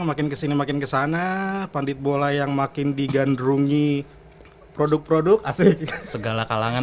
makin kesini makin kesana pandit bola yang makin digandrungi produk produk asli segala kalangan